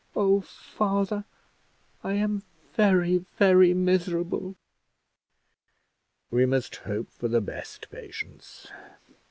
Oh, father! I am very, very miserable!" "We must hope for the best, Patience.